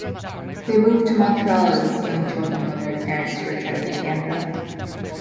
They moved to Montreal as young children when their parents returned to Canada.